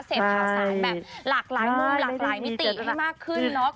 เสพข่าวสารแบบหลากหลายมุมหลากหลายมิติให้มากขึ้นเนาะ